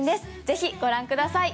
ぜひご覧ください。